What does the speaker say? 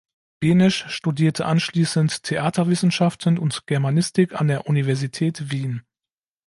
Benesch studierte anschließend Theaterwissenschaften und Germanistik an der Universität Wien.